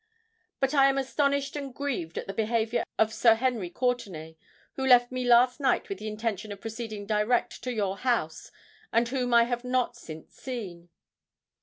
But I am astonished and grieved at the behaviour of Sir Henry Courtenay, who left me last night with the intention of proceeding direct to your house, and whom I have not since seen."